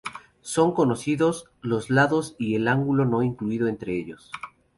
Son conocidos: los lados y el ángulo no incluido entre ellos.